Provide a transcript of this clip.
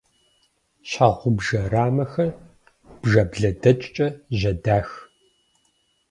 Щхьэгъубжэ рамэхэр бжаблэдэчкӏэ жьэдах.